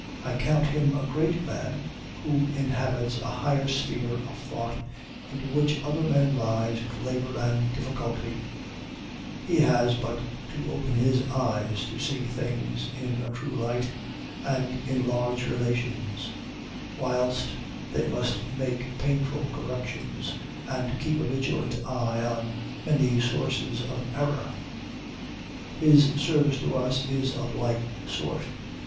I count him a great man who inhabits a higher sphere of thought, into which other men rise with labor and difficulty; he has but to open his eyes to see things in a true light, and in large relations; whilst they must make painful corrections, and keep a vigilant eye on many sources of error. His service to us is of like sort.